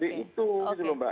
dari itu gitu loh mbak